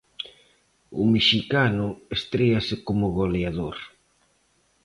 O mexicano estréase como goleador.